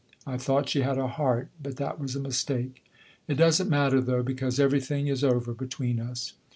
I thought she had a heart; but that was a mistake. It does n't matter, though, because everything is over between us."